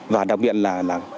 và đặc biệt là